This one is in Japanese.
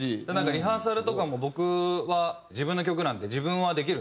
リハーサルとかも僕は自分の曲なんで自分はできるんですけど